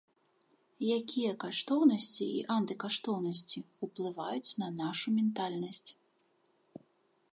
Якія каштоўнасці і антыкаштоўнасці ўплываюць на нашу ментальнасць?